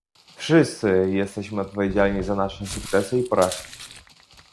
Wszyscy jesteśmy odpowiedzialni za nasze sukcesy i porażki